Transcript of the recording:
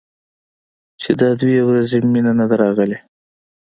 چې دا دوه ورځې مينه نه ده راغلې.